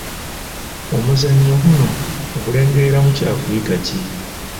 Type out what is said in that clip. Omuzannyo guno ogulengeramu kyakuyiga ki?